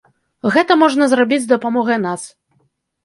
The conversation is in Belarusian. Гэта можна зрабіць з дапамогай нас.